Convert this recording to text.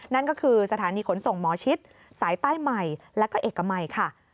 นั่นก็คือสถานีขนส่งหมอชิดสายใต้ใหม่และก็เอกมัยค่ะ